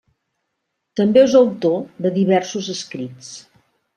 També és autor de diversos escrits.